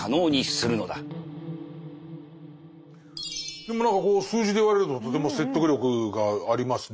でも何かこう数字で言われるととても説得力がありますね。